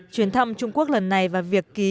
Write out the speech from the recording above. chuyển thăm trung quốc lần này và việc ký